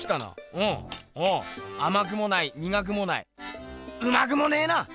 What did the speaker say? うんおおあまくもないにがくもないうまくもねえな！